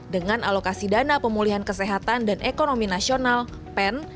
dengan alokasi dana pemulihan kesehatan dan ekonomi nasional pen